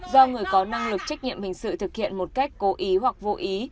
do người có năng lực trách nhiệm hình sự thực hiện một cách cố ý hoặc vô ý